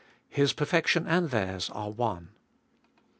His perfection and theirs are one.